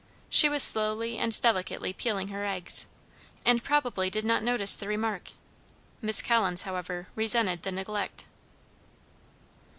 She was slowly and delicately peeling her eggs, and probably did not notice the remark. Miss Collins, however, resented the neglect.